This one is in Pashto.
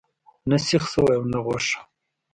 نه سیخ سوی او نه غوښه.